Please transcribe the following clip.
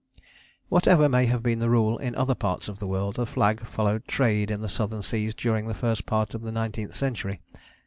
Whatever may have been the rule in other parts of the world, the flag followed trade in the southern seas during the first part of the nineteenth century.